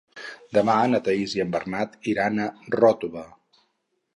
Demà na Thaís i en Bernat iran a Ròtova.